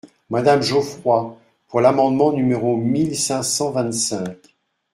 Madame Geoffroy, pour l’amendement numéro mille cinq cent vingt-cinq.